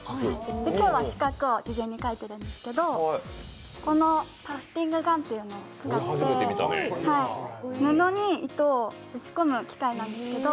今日は四角を事前に描いてるんですけどタフティングガンというのをつかって、布に糸を打ち込む機械なんですけど。